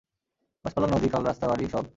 গাছপালা, নদী, খাল, রাস্তা, বাড়ি সব।